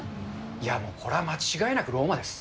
いやもう、これは間違いなくローマです。